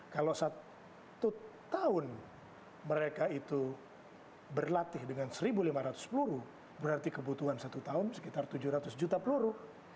kalau satu tahun mereka itu berlatih dengan satu lima ratus peluru berarti kebutuhan satu tahun sekitar tujuh ratus juta peluru